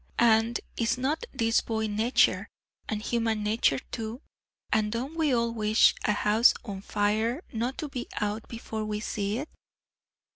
And is not this boy nature! and human nature, too? and don't we all wish a house on fire not to be out before we see it?